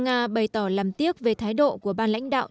bộ ngoại giao nga bày tỏ làm tiếc về thái độ của bang lãnh đạo